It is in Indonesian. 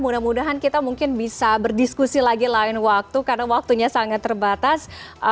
mudah mudahan kita mungkin bisa berdiskusi lagi lain waktu karena waktunya sangat terbatas